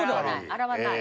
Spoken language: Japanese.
洗わない。